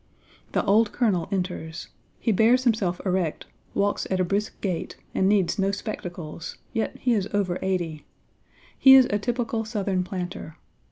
"The Old Colonel enters. He bears himself erect, walks at a brisk gait, and needs no spectacles, Page xviii yet he is over eighty. He is a typical Southern planter.